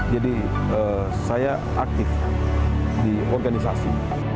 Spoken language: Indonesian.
jadi saya aktif di organisasi